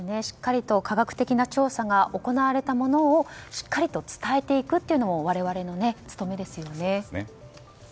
しっかりと科学的な調査が行われたものをしっかりと伝えていくことも我々の務めですよね。